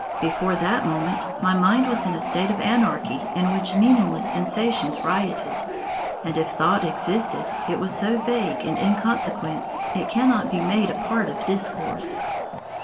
Before that moment my mind was in a state of anarchy in which meaningless sensations rioted, and if thought existed, it was so vague and inconsequent, it cannot be made a part of discourse.